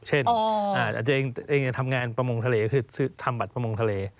อาจารย์เองทำงานประมงทะเลก็คือทำบัตรประมงทะเล